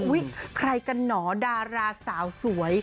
ใครกันหนอดาราสาวสวย